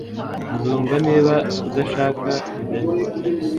Nzumva niba udashaka kujyayo